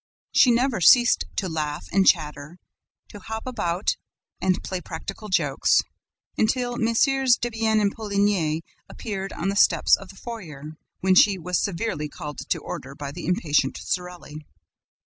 She never ceased to laugh and chatter, to hop about and play practical jokes, until Mm. Debienne and Poligny appeared on the steps of the foyer, when she was severely called to order by the impatient Sorelli.